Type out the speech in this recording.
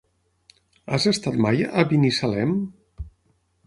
Has estat mai a Binissalem?